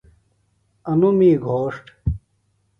انوۡ می گھوݜٹ۔